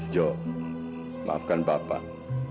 jok maafkan bapak